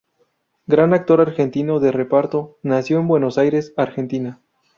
Gran actor argentino de reparto, nació en Buenos Aires, Argentina.